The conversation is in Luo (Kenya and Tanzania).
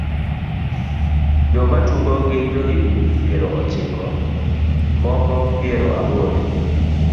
Joma tugo gin jo higni piero piero ochiko moko piero aboro.